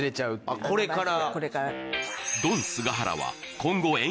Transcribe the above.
これから？